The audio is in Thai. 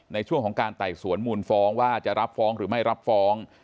ในช่วงของการไต่สวนมูลฟ้องว่าจะรับฟ้องหรือไม่รับฟ้อง